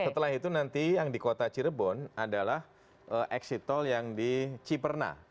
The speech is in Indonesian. setelah itu nanti yang di kota cirebon adalah exit tol yang di ciperna